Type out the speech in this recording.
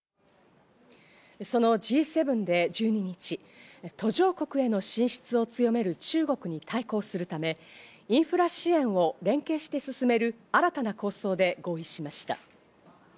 そのＧ７で１２日、途上国への進出を強める中国に対抗するため、インフラ支援を連携して進める新たな構想で合意しました。